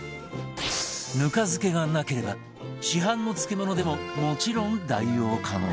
ぬか漬けがなければ市販の漬物でももちろん代用可能